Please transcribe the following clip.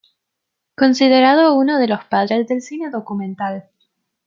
Considerado uno de los padres del cine documental.